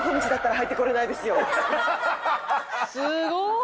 すごい！